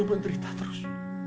dia menderita terus